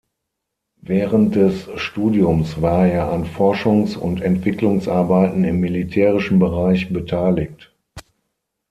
Während des Studiums war er an Forschungs- und Entwicklungsarbeiten im militärischen Bereich beteiligt.